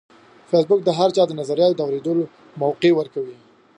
فېسبوک د هر چا د نظریاتو د اورېدو موقع ورکوي